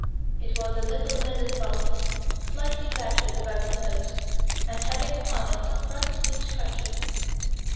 It was a little leaden bullet, slightly battered about the nose, and having upon it some bright new scratches.